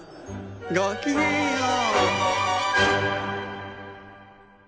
ごきげんよう！